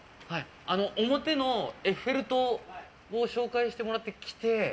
表のエッフェル塔を紹介してもらって来て。